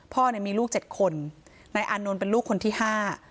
พ่อเนี่ยมีลูกเจ็ดคนนายอานนท์เป็นลูกคนที่ห้า